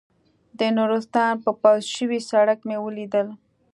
د نورستان په پوخ شوي سړک مې ولیدل.